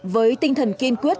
với tinh thần kiên quyết